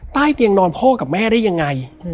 ใต้เตียงนอนพ่อกับแม่ได้ยังไง